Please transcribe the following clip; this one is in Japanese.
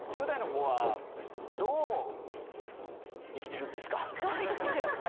１０代の子は、どう生きてるんですか？